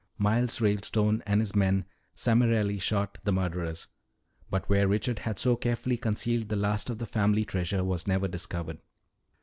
Miles Ralestone and his men summarily shot the murderers. But where Richard had so carefully concealed the last of the family treasure was never discovered.